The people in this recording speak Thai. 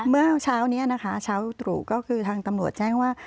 เมื่อเช้านี้นะคะเช้าตรู่ก็คือทางตำรวจแจ้งว่า